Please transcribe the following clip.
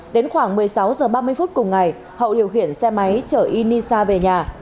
đến khoảng một mươi sáu h ba mươi phút cùng ngày hậu điều khiển xe máy chở inisa về nhà